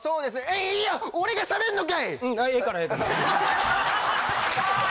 えいや俺がしゃべんのかい！？